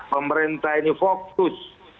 pemerintah ini fokus